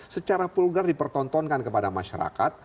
secara vulgar dipertontonkan kepada masyarakat